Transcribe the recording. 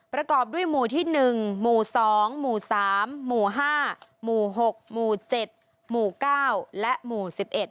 ประกอบด้วยหมู่ที่๑หมู่๒หมู่๓หมู่๕หมู่๖หมู่๗หมู่๙และหมู่๑๑